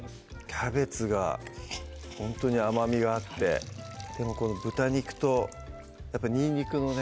キャベツがほんとに甘みがあってでもこの豚肉とにんにくのね